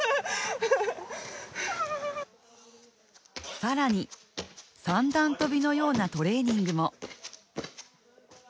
更に、三段跳びのようなトレーニングも。